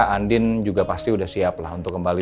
andin juga pasti sudah siap lah untuk kembali